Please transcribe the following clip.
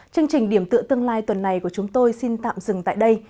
chương trình điểm tựa tương lai tuần này của chúng tôi xin tạm dừng tại đây